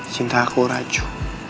cinta aku raju